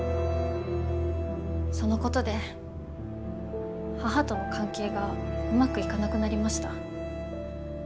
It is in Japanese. そのことで母との関係がうまくいかなくなりました。